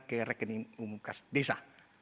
ke rekening umum khas desa